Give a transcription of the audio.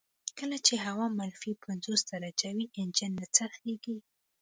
کله چې هوا منفي پنځوس درجې وي انجن نه څرخیږي